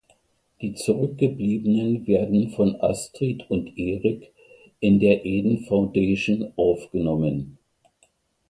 Die Zurückgebliebenen werden von Astrid und Erik in der Eden Foundation aufgenommen.